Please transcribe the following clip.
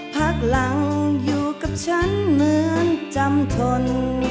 พักหลังอยู่กับฉันเหมือนจำทน